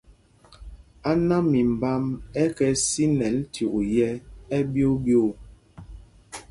Áná mimbám ɛ kɛ sinɛl cyûk yɛ̄ ɛɓyōō ɓyoo.